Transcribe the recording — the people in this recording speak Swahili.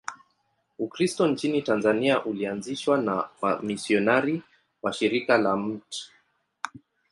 Ukristo nchini Tanzania ulianzishwa na wamisionari wa Shirika la Mt.